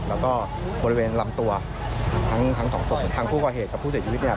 แล้วก็บริเวณลำตัวทั้งสองศพของทางผู้ก่อเหตุกับผู้เสียชีวิตเนี่ย